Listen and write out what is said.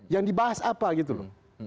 yang dibahas apa gitu loh